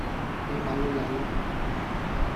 你咪理